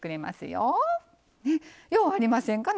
ようありませんか？